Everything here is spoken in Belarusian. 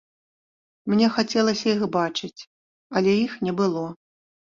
Мне хацелася іх бачыць, але іх не было.